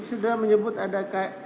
sudah menyebut ada